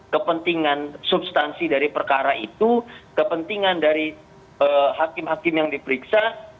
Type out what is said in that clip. kepentingan substansi dari perkara itu kepentingan dari hakim hakim yang diperiksa